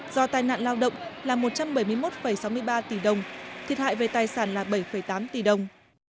do tai nạn lao động là một trăm bảy mươi một sáu mươi ba tỷ đồng thiệt hại về tài sản là bảy tám tỷ đồng